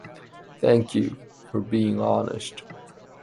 Thank you for being honest.